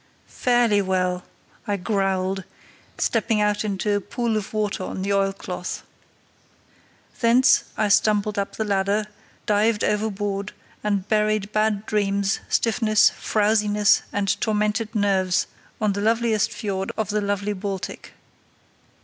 "Fairly well," I growled, stepping out into a pool of water on the oilcloth. Thence I stumbled up the ladder, dived overboard, and buried bad dreams, stiffness, frowsiness, and tormented nerves in the loveliest fiord of the lovely Baltic.